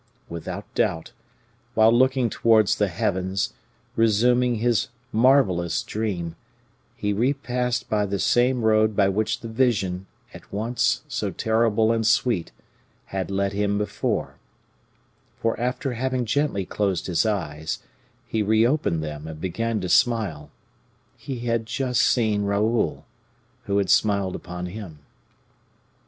Without doubt, while looking towards the heavens, resuming his marvelous dream, he repassed by the same road by which the vision, at once so terrible and sweet, had led him before; for after having gently closed his eyes, he reopened them and began to smile: he had just seen Raoul, who had smiled upon him.